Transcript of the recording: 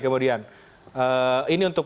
kemudian ini untuk